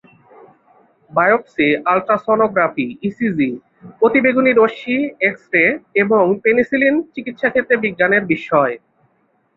Biopsy, ultrasonography, ECG, অতিবেগুনী রশ্মি, X ray এবং পেনিসিলিন চিকিৎসাক্ষেত্রে বিজ্ঞানের বিস্ময়।